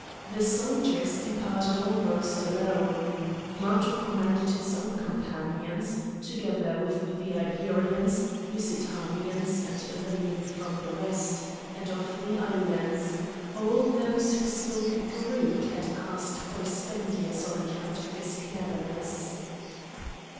The soldiers departed almost alone. Matho commanded his own companions, together with the Iberians, Lusitanians, and the men of the West, and of the islands; all those who spoke Greek had asked for Spendius on account of his cleverness.